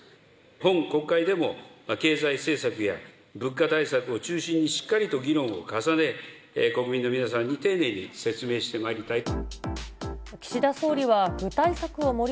本国会でも、経済政策や物価対策を中心に、しっかりと議論を重ね、国民の皆さんに丁寧に説明をしてまいりたいと。